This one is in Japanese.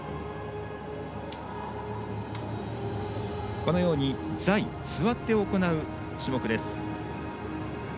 このように、座位座って行う種目です。